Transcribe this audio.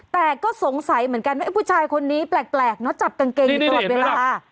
แต่ควรสงสัยเหมือนกันว่าพวกนี้จับกางเกงอยู่ตลอดเวลา